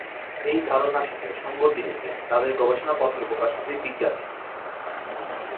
এই ধারণার সাথে সঙ্গতি রেখে তাদের গবেষণাপত্র প্রকাশ জীববিজ্ঞানীই।